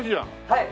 はい。